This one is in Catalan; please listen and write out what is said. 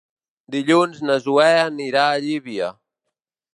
Dilluns na Zoè anirà a Llívia.